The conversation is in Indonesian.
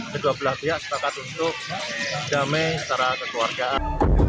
kedua belah pihak sepakat untuk damai secara kekeluargaan